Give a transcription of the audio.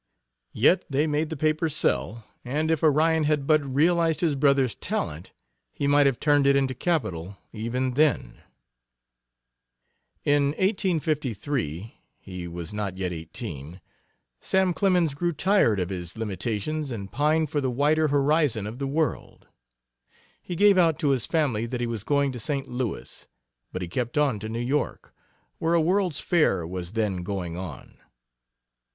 Yet they made the paper sell, and if Orion had but realized his brother's talent he might have turned it into capital even then. In 1853 (he was not yet eighteen) Sam Clemens grew tired of his limitations and pined for the wider horizon of the world. He gave out to his family that he was going to St. Louis, but he kept on to New York, where a World's Fair was then going on.